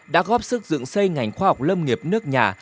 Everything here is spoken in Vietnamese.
đã góp sức dựng xây ngành khoa học lâm nghiệp nước nhà